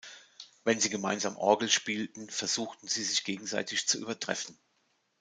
Wenn sie gemeinsam Orgel spielten, versuchten sie sich gegenseitig zu übertreffen.